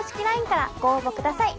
ＬＩＮＥからご応募ください。